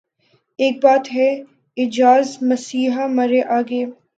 اک بات ہے اعجاز مسیحا مرے آگے